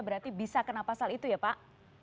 berarti bisa kena pasal itu ya pak